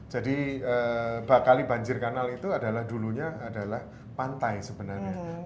jadi bakali banjir kanal itu adalah dulunya adalah pantai sebenarnya